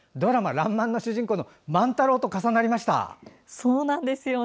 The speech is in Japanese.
「らんまん」の主人公の万太郎と重なりました。